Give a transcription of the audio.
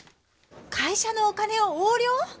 会社のお金を横領⁉